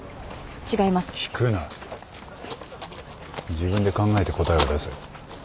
自分で考えて答えを出せ。